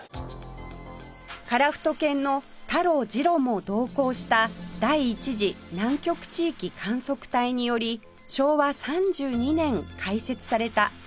樺太犬のタロジロも同行した第１次南極地域観測隊により昭和３２年開設された昭和基地